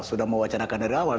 sudah mewacanakan dari awal